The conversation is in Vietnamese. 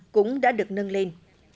cũng đã được nâng lên